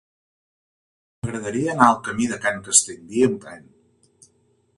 M'agradaria anar al camí de Can Castellví amb tren.